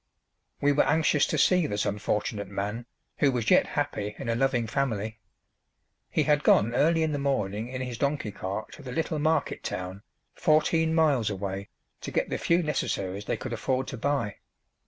We were anxious to see this unfortunate man, who was yet happy in a loving family. He had gone early in the morning in his donkey cart to the little market town, fourteen miles away, to get the few necessaries they could afford to buy.